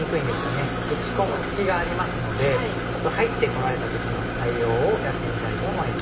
打ち込む隙がありますのでちょっと入ってこられた時の対応をやってみたいと思います。